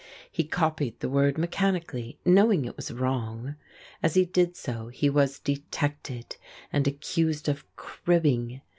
He copied the word mechanically, knowing it was wrong. As he did so he was detected and accused of cribbing.